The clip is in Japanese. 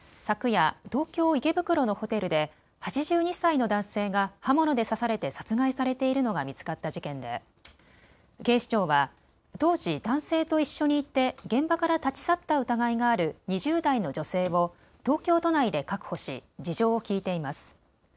昨夜、東京池袋のホテルで８２歳の男性が刃物で刺されて殺害されているのが見つかった事件で警視庁は当時、男性と一緒にいて現場から立ち去った疑いがある２０代の女性を東京都内で確保し事情を聴いています。